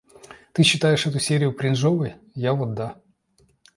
Ты считаешь эту серию кринжовой? Я вот да.